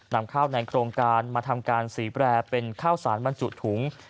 นำข้าวในโครงการมาทำการสีแปรเป็นข้าวสารบรรจุถุง